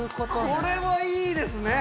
これはいいですね。